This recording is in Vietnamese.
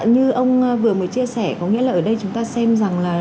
như ông vừa mới chia sẻ có nghĩa là ở đây chúng ta xem rằng là